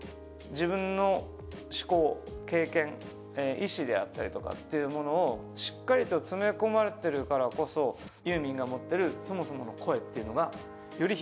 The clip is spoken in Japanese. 自分の思考経験意思であったりというものをしっかりと詰め込まれてるからこそユーミンが持ってるそもそもの声っていうのがより